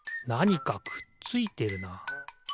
なにかくっついてるな。